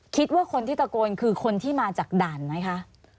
คิดว่าคนที่ตะโกนคือคนที่มาจากด่านไหมคะ